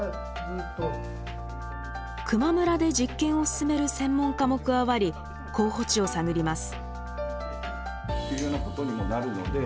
球磨村で実験を進める専門家も加わり候補地を探ります。